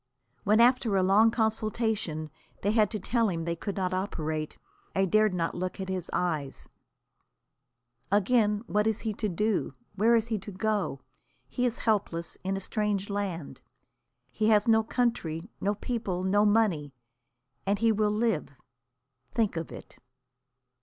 When after a long consultation they had to tell him they could not operate, I dared not look at his eyes. Again, what is he to do? Where is he to go? He is helpless, in a strange land. He has no country, no people, no money. And he will live, think of it!